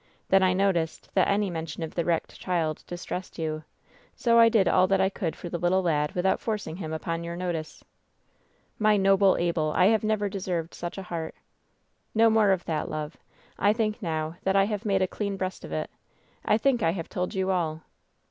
Then I noticed that any mention of the wrecked child distressed you. So I did all that I could for the little lad without forcing him upon your notice." "My noble Abel! I have never deserved such a heart !" "No more of that, love. I think now that I have made ^a clean breast of it.* I think I have told you all."